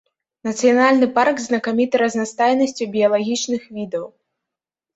Нацыянальны парк знакаміты разнастайнасцю біялагічных відаў.